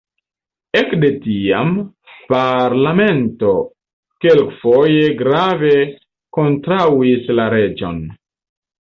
Ekde tiam, parlamento kelkfoje grave kontraŭis la reĝon.